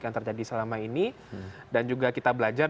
yang terjadi selama ini dan juga kita belajar